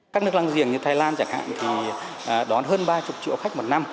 các nước lăng giềng như thái lan chẳng hạn thì đón hơn ba mươi triệu khách một năm